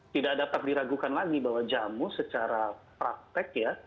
tidak dapat diragukan lagi bahwa jamu secara praktek ya